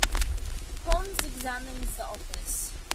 Holmes examines the office.